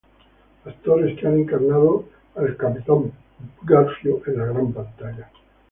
Actores que han encarnado al Capitán Garfio en la gran pantalla.